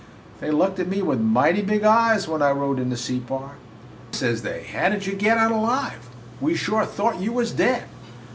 They looked at me with mighty big eyes when I rode into Separ. "'Why,' says they, 'how did you all get out alive? We sure thought you was dead!'